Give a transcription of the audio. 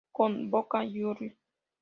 Con Boca Jr.